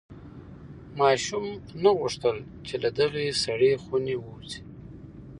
ماشوم نه غوښتل چې له دغې سړې خونې ووځي.